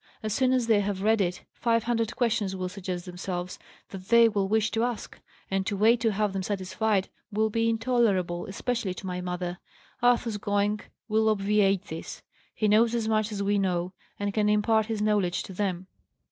As soon as they have read it, five hundred questions will suggest themselves that they will wish to ask; and, to wait to have them satisfied, will be intolerable, especially to my mother. Arthur's going will obviate this. He knows as much as we know, and can impart his knowledge to them."